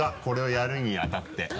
これをやるにあたって。